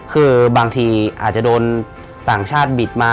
คือบางทีอาจจะโดนต่างชาติบิดมา